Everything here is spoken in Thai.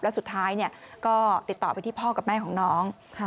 แล้วสุดท้ายก็ติดต่อไปที่พ่อกับแม่ของน้อง